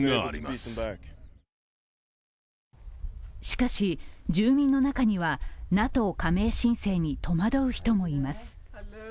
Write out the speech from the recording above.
しかし、住民の中にはＮＡＴＯ加盟申請に戸惑う人もいます。